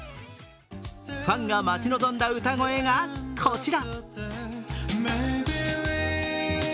ファンが待ち望んだ歌声がこちら。